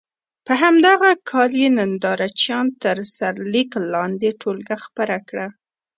په همدغه کال یې ننداره چیان تر سرلیک لاندې ټولګه خپره کړه.